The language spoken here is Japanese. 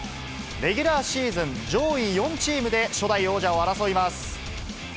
レギュラーシーズン上位４チームで、初代王者を争います。